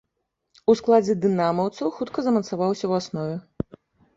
У складзе дынамаўцаў хутка замацаваўся ў аснове.